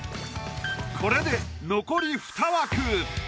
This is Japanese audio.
これで残りふた枠。